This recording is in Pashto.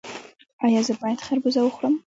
ایا زه باید خربوزه وخورم؟